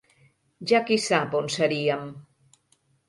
Ja qui sap on seríem!